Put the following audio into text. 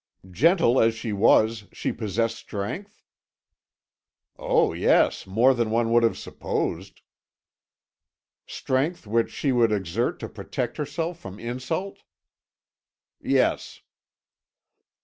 "Gentle as she was, she possessed strength?" "Oh yes, more than one would have supposed." "Strength which she would exert to protect herself from insult?" "Yes."